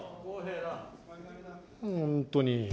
本当に。